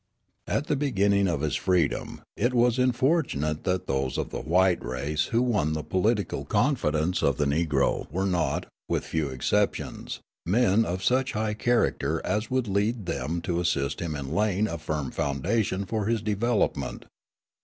At the beginning of his freedom it was unfortunate that those of the white race who won the political confidence of the Negro were not, with few exceptions, men of such high character as would lead them to assist him in laying a firm foundation for his development.